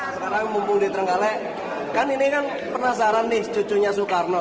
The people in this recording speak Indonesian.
sekarang mumpung di trenggalek kan ini kan penasaran nih cucunya soekarno